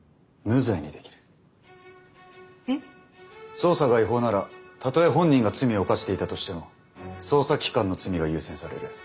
捜査が違法ならたとえ本人が罪を犯していたとしても捜査機関の罪が優先される。